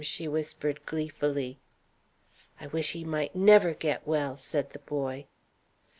she whispered gleefully. "I wish he might never get well!" said the boy.